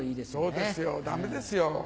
そうですよダメですよ。